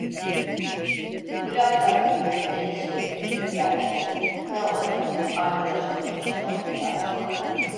Bu laftan gönlüme de hiçbir kötülük gelmezdi, ne olacak, arkadaş hatırı için olduktan sonra…